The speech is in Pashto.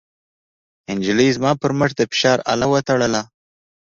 نجلۍ زما پر مټ د فشار اله وتړله.